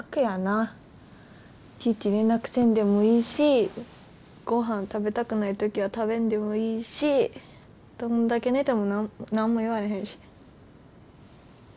いちいち連絡せんでもいいしごはん食べたくない時は食べんでもいいしどんだけ寝ても何も言われへんし。